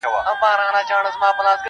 o خو حقيقت نه بدل کيږي تل,